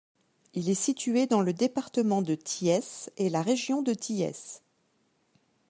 Il est situé dans le département de Thiès et la région de Thiès.